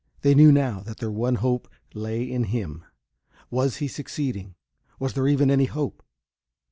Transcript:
They knew now that their one hope lay in him. Was he succeeding? Was there even any hope?